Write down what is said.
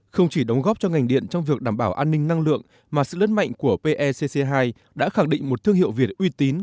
không chỉ đóng góp cho ngành điện trong việc đảm bảo an ninh năng lượng mà sự lớn mạnh của pecc hai đã khẳng định một thương hiệu việt uy tín